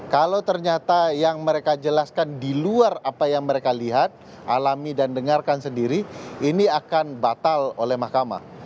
kalau ternyata yang mereka jelaskan di luar apa yang mereka lihat alami dan dengarkan sendiri ini akan batal oleh mahkamah